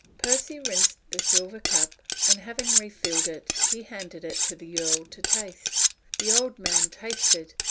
Percy rinsed the silver cup, and having refilled it he handed it to the earl to taste. The old man tasted.